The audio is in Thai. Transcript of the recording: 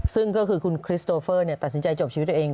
ซึ่งก็คือคุณคริสโตเฟอร์ตัดสินใจจบชีวิตตัวเอง